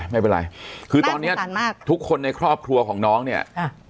ไม่เป็นไรคือตอนเนี้ยทุกคนในครอบครัวของน้องเนี่ย